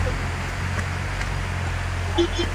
Nangmah riamruam na si caah na tuah khawh.